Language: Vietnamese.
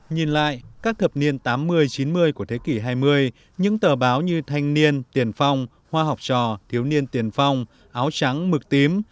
nhìn lại các thập niên tám mươi chín mươi của thế kỷ hai mươi những tờ báo như thanh niên tiền phong hoa học trò thiếu niên tiền phong áo trắng mực tím